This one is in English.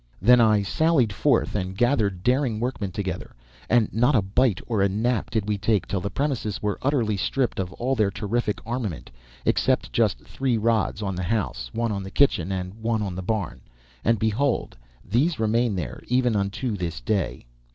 Then I sallied forth, and gathered daring workmen together, and not a bite or a nap did we take till the premises were utterly stripped of all their terrific armament except just three rods on the house, one on the kitchen, and one on the barn and, behold, these remain there even unto this day.